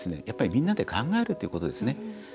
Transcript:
みんなで考えるということですね。